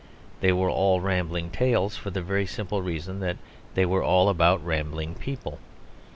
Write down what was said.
They were all rambling tales for the very simple reason that they were all about rambling people.